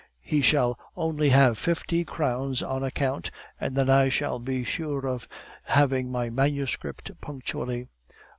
He shall only have fifty crowns on account, and then I shall be sure of having my manuscript punctually.